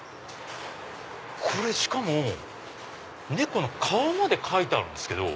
これしかも猫の顔まで描いてあるんですけど。